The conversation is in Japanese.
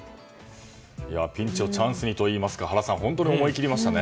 ピンチをチャンスにといいますか原さん、本当に思い切りましたね。